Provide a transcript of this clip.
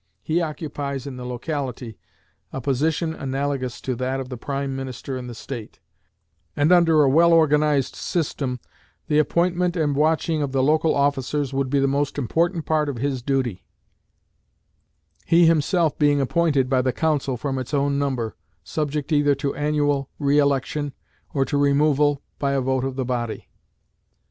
He occupies in the locality a position analogous to that of the prime minister in the state, and under a well organized system the appointment and watching of the local officers would be the most important part of his duty; he himself being appointed by the council from its own number, subject either to annual re election, or to removal by a vote of the body.